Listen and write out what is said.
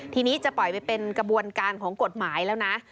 ทีนี้จะปล่อยไปเป็นกระบวนการของกฎหมายแล้วนะ